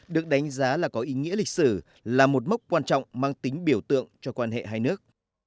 được đánh giá là có ý nghĩa lịch sử là một mốc quan trọng mang tính biểu tượng cho quan hệ hai nước